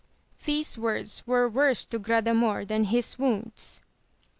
These words were worse to Gradamor than his wounds.